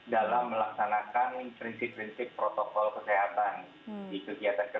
dalam melaksanakan prinsip prinsip protokol kesehatan di kegiatan kegiatan